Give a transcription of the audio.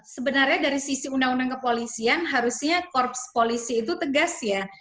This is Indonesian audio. sebenarnya dari sisi undang undang kepolisian harusnya korps polisi itu tegas ya